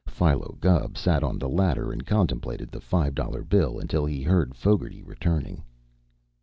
Philo Gubb sat on the ladder and contemplated the five dollar bill until he heard Fogarty returning.